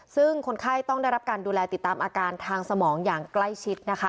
ซึ่งคนไข้ต้องได้รับการดูแลติดตามอาการทางสมองอย่างใกล้ชิดนะคะ